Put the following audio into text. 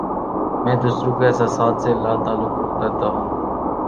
میں دوسروں کے احساسات سے لا تعلق رہتا ہوں